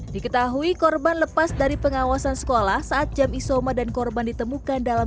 diketahui korban lepas dari pengawasan sekolah saat jam isoma dan korban ditemukan dalam